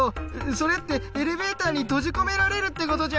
それってエレベーターに閉じ込められるって事じゃん。